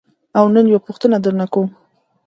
او نن یوه پوښتنه درنه کوم.